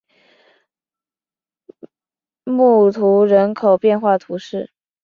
穆图人口变化图示